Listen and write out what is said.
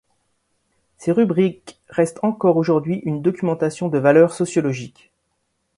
Ces rubriques restent encore aujourd'hui une documentation de valeur sociologique.